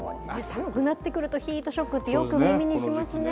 寒くなってくると、ヒートショックってよく耳にしますね。